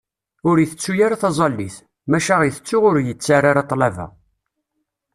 Ur itettu ara taẓallit, maca itettu ur yettarra ṭṭlaba.